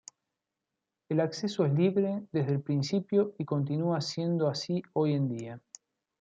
El acceso es libre desde el principio y continúa siendo así hoy en día.